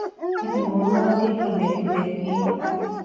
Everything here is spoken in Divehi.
އޭގެ މޮޅު ވާހަކަ ދެއްކި ދެއްކީނުން